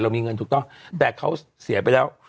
มีเงินถูกต้องแต่เขาเสียไปแล้ว